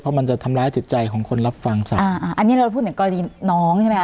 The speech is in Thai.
เพราะมันจะทำร้ายจิตใจของคนรับฟังสัตว์อ่าอันนี้เราพูดถึงกรณีน้องใช่ไหมค